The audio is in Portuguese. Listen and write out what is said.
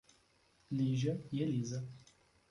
Lígia e Elisa